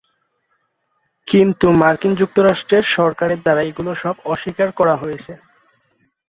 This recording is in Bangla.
কিন্তু মার্কিন যুক্তরাষ্ট্রের সরকারের দ্বারা এগুলো সব অস্বীকার করা হয়েছে।